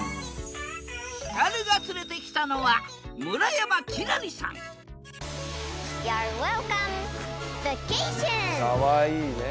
ヒカルが連れてきたのはかわいいね。